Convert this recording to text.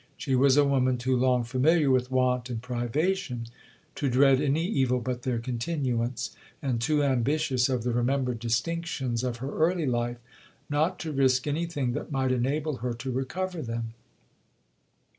She was a woman too long familiar with want and privation to dread any evil but their continuance, and too ambitious of the remembered distinctions of her early life, not to risk any thing that might enable her to recover them.